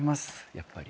やっぱり。